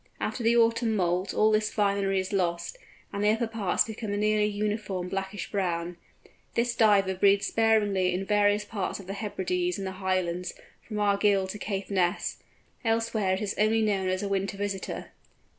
After the autumn moult all this finery is lost, and the upper parts become a nearly uniform blackish brown. This Diver breeds sparingly in various parts of the Hebrides and the Highlands, from Argyll to Caithness; elsewhere it is only known as a winter visitor.